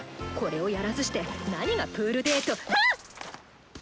これをやらずして何がプールデート。